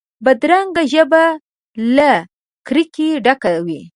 بدرنګه ژبه له کرکې ډکه وي